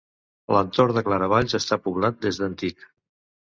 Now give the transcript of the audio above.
L'entorn de Claravalls està poblat des d'antic.